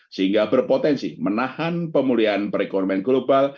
sehingga berpotensi menahan pemulihan perekonomian global